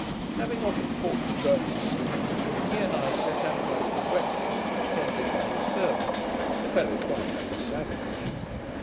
Having often talked of going to see it, he and I set out after breakfast, attended by his servant, a fellow quite like a savage.